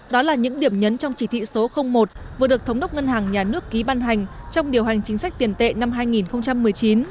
đó là những điểm nhấn trong chỉ thị số một vừa được thống đốc ngân hàng nhà nước ký ban hành trong điều hành chính sách tiền tệ năm hai nghìn một mươi chín